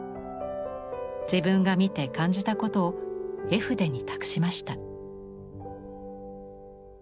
自分が見て感じたことを絵筆に託しました。